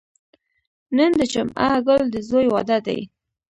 نن د جمعه ګل د ځوی واده دی.